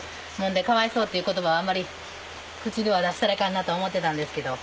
かわいそうって言葉はあんまり口では出したらいかんなと思ってたんですけど。